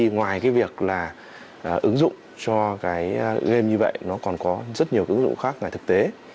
ngoài cái việc là ứng dụng cho cái game như vậy nó còn có rất nhiều ứng dụng khác là thực tế